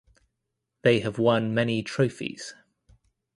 They have won many trophies.